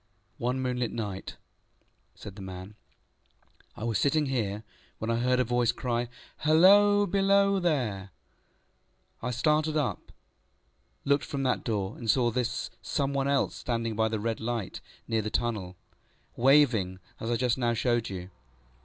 ŌĆØ ŌĆ£One moonlight night, ŌĆØ said the man, ŌĆ£I was sitting here, when I heard a voice cry, ŌĆśHalloa! Below there! ŌĆÖ I started up, looked from that door, and saw this Some one else standing by the red light near the tunnel, waving as I just now showed you.